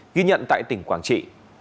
ghi nhận tại tỉnh quảng trị